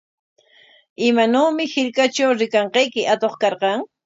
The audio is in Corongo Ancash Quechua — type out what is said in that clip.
¿Imanawmi hirkatraw rikanqayki atuq karqan?